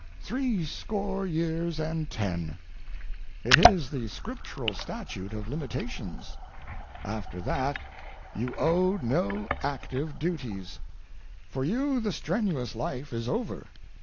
Threescore years and ten! It is the Scriptural statute of limitations. After that, you owe no active duties; for you the strenuous life is over.